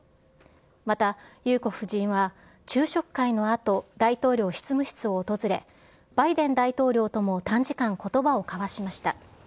また、裕子夫人は昼食会のあと、大統領執務室を訪れ、バイデン大統領とも短時間、ことばを交わしました。